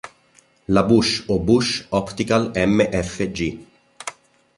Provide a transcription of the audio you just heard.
La Busch o Busch Optical Mfg.